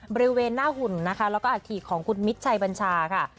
บริเวณหน้าหุ่นนะคะแล้วก็อาถิของคุณมิตรชัยบัญชาค่ะ